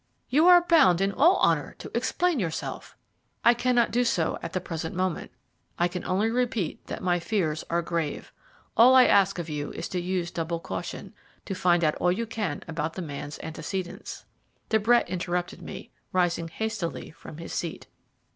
You are bound in all honour to explain yourself." "I cannot do so at the present moment. I can only repeat that my fears are grave. All I ask of you is to use double caution, to find out all you can about the man's antecedents " De Brett interrupted me, rising hastily from his seat.